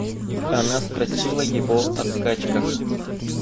Она спросила его о скачках.